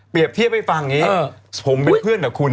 เทียบให้ฟังอย่างนี้ผมเป็นเพื่อนกับคุณ